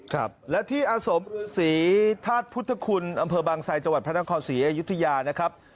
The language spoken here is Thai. ครับและที่อาศพิรุษีธาตุพุทธคุณอบางซัยจพระนครสีอายุธยานะครับ